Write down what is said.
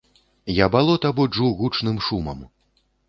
Я балота буджу гучным шумам.